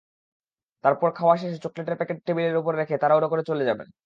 তারপর খাওয়া শেষে চকলেটের প্যাকেট টেবিলের ওপর রেখে তাড়াহুড়ো করে চলে যাবেন।